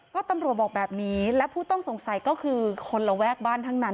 ก็ตำรวจบอกแบบนี้และผู้ต้องสงสัยก็คือคนระแวกบ้านทั้งนั้น